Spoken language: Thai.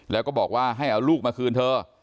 แล้วก็บอกว่าให้เอาลูกมาคืนเธอ